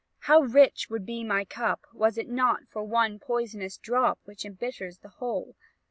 How rich would be my cup, was it not for one poisonous drop which embitters the whole!